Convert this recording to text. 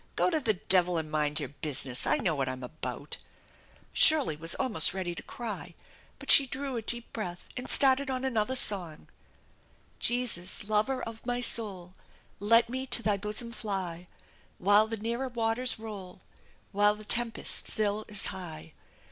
Go to the devil and mind your business ! I know what I'm about !" Shirley was almost ready to cry, but she drew a deep breath and started on another song: Jesus, Lover of my soul, Let me to Thy bosom fly, While the nearer waters roll, While the tempest still is high!